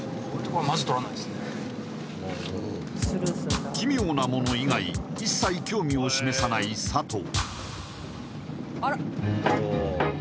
はい奇妙なモノ以外一切興味を示さない佐藤